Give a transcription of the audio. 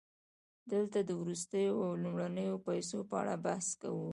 دلته د وروستیو او لومړنیو پیسو په اړه بحث کوو